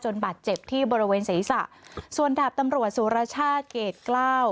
บาดเจ็บที่บริเวณศีรษะส่วนดาบตำรวจสุรชาติเกรดกล้าว